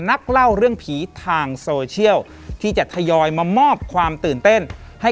นักเล่าเรื่องผีทางโซเชียลที่จะทยอยมามอบความตื่นเต้นให้